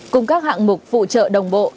cùng các hạng mục phụ trợ đồng bộ